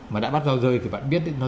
mà đã bắt giao rơi thì bạn biết nó